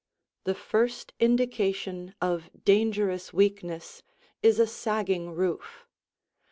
The first indication of dangerous weakness is a sagging roof.